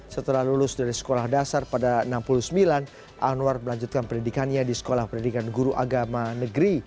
setelah lulus dari sekolah dasar pada enam puluh sembilan anwar melanjutkan pendidikannya di sekolah pendidikan guru agama negeri